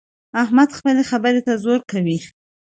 احمد خپلې خبرې ته زور کوي.